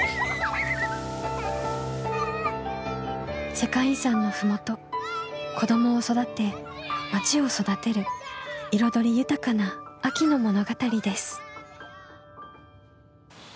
世界遺産の麓子どもを育てまちを育てる彩り豊かな秋の物語です。